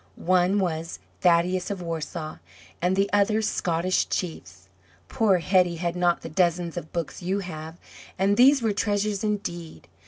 One was "Thaddeus of Warsaw," and the other "Scottish Chiefs." Poor Hetty had not the dozens of books you have, and these were treasures indeed.